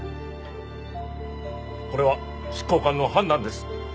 これは執行官の判断です。